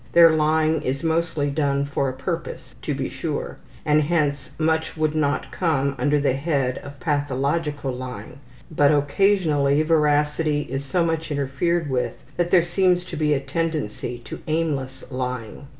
Their lying is mostly done for a purpose, to be sure, and hence much would not come under the head of pathological lying, but occasionally veracity is so much interfered with that there seems to be a tendency to aimless lying.